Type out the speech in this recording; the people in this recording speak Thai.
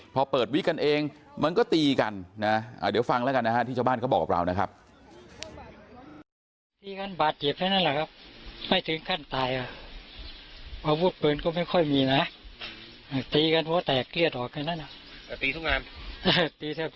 พอเปิดวิกกันเองมันก็ตีกันนะเดี๋ยวฟังแล้วกันนะฮะที่ชาวบ้านเขาบอกกับเรานะครับ